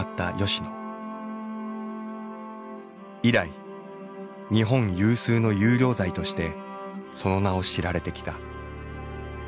以来日本有数の優良材としてその名を知られてきた。